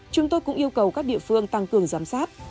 chúng tôi cũng yêu cầu các địa phương tăng cường giám sát